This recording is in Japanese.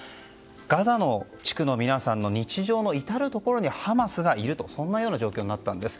ガザの地区の皆さんの日常の至るところにハマスがいるというそんなような状況になったんです。